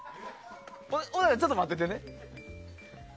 ちょっと待っててね。